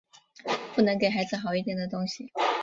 不能给孩子好一点的东西